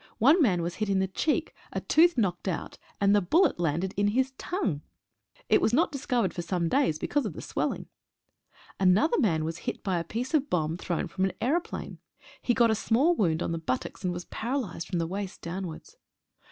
One man was hit in the cheek, a tooth knocked out, and the bullet landed in his tongue. It was not discovered for some days because of the swelling. Another man was hit by a piece of a bomb thrown from an aeroplane. He got a small wound on the buttocks, and was paralysed from the waist downwards.